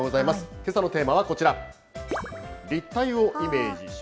けさのテーマはこちら。